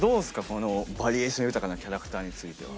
このバリエーション豊かなキャラクターについては。